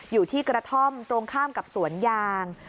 อยู่ที่กระท่อมตรงข้ามกับสวนยาง